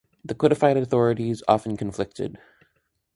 The codified authorities often conflicted.